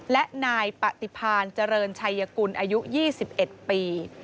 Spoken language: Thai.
และนายปฏิพานเจริญชัยกุลอายุ๒๑ปี